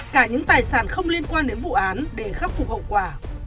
cả những tài sản không liên quan đến vụ án để khắc phục hậu quả